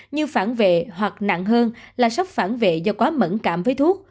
như phản vệ hoặc nặng hơn là sốc phản vệ do quá mẫn cảm với thuốc